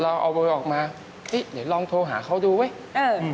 เราเอาเบอร์ออกมานี่ลองโทรหาเขาดูเว้ย